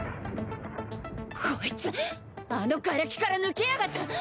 こいつあのがれきから抜けやがった！